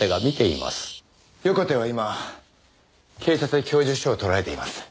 横手は今警察で供述書を取られています。